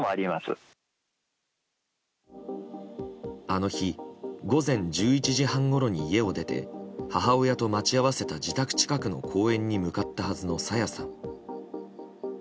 あの日午前１１時半ごろに家を出て母親と待ち合わせた自宅近くの公園に向かったはずの朝芽さん。